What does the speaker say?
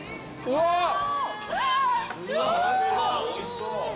おいしそう。